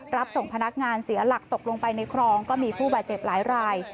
รับส่งพนักงานเสียหลักตกลงไปในคลองก็มีผู้บาดเจ็บหลายราย